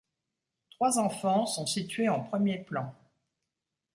Trois enfants sont situés en premier plan.